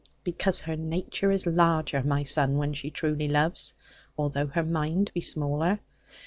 'Because her nature is larger, my son, when she truly loves; although her mind be smaller.